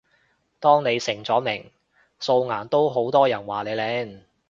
當你成咗名，素顏都好多人話你靚